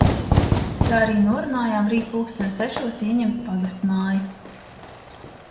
Tā arī norunājam rīt pulksten sešos ieņemt pagastmāju.